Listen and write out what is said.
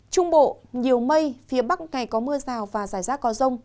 trung bộ nhiều mây phía bắc ngày có mưa rào và rải rác có rông